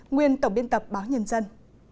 nguyên tổng biên tập báo nhân dân